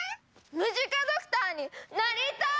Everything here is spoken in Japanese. ムジカドクターになりたい！